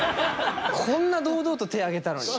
こんな堂々と手挙げたのに。